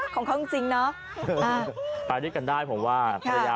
แค่นี้ขนาดในลูกที่ภรรยาเห็น